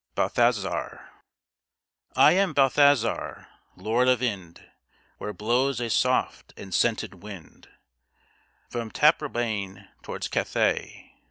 BALTHAZAR I am Balthazar, Lord of Ind, Where blows a soft and scented wind From Taprobane towards Cathay.